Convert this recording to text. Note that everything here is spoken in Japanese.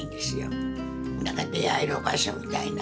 何か出会える場所みたいな。